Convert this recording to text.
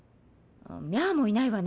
ミャアもいないわね。